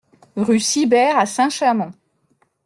Rue Sibert à Saint-Chamond